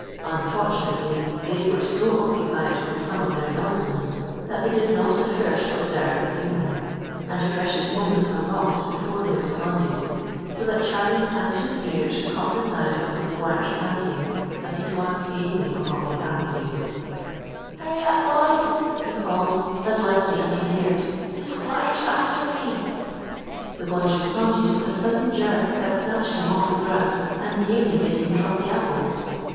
Unfortunately, they were so occupied with some of their nonsense that they did not at first observe the signal, and precious moments were lost before they responded, so that Charlie's anxious ears caught the sound of the squire's panting as he toiled gamely along the avenue. [Illustration: (Charlie climbing the sheet rope)] "Hurry up, boys!" he called, as loudly as he dared; "the squire's after me!" The boys responded with a sudden jerk that snatched him off the ground, and nearly made him drop the apples.